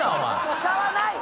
使わない！